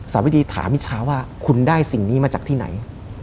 สาวิดีถามมิชาว่าคุณได้สิ่งนี้มาจากที่ไหน